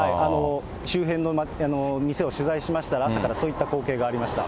周辺の店を取材しましたら、朝からそういった光景がありました。